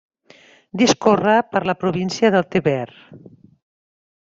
Discorre per la província de Tver.